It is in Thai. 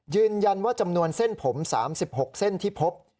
ยืนยันว่าจำนวนเส้นผม๓๖เส้นที่พบ